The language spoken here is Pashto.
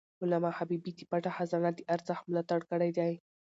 علامه حبيبي د پټه خزانه د ارزښت ملاتړ کړی دی.